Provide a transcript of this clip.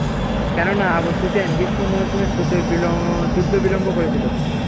কেননা Abu Sufyan গ্রীষ্ম মৌসুমের ছুতায় যুদ্ধ বিলম্ব করেছিল।